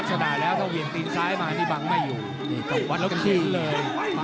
ตัวใหญ่และแข็งแรงด้วยท่อฟ้าและแข่งซ้ายหน้าเน้นมาเลยล่ะ